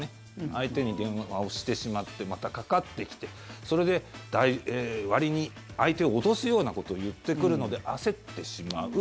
相手に電話をしてしまってまたかかってきてそれで、わりに相手を落とすようなことを言ってくるので焦ってしまう。